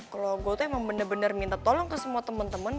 kalo gue tuh emang bener bener minta tolong ke semua temen temen